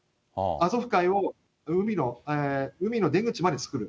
アゾフ海を海の出口までつくる。